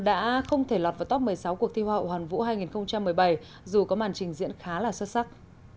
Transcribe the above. đã không thể lọt vào top một mươi sáu cuộc thi hoa hậu hoàn vũ hai nghìn một mươi bảy dù có màn trình diễn khá là xuất sắc